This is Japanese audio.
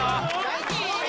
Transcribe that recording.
何？